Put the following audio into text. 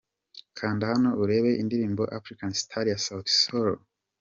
Kanda Hano Urebe indirimbo 'Afrikan Star' ya Sauti Sol.